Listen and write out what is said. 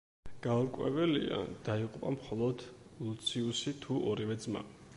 გაურკვეველია, დაიღუპა მხოლოდ ლუციუსი თუ ორივე ძმა.